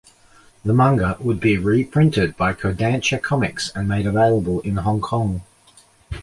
The manga would be reprinted by Kodansha comics, and made available in Hong Kong.